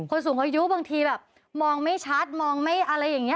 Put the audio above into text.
สูงอายุบางทีแบบมองไม่ชัดมองไม่อะไรอย่างนี้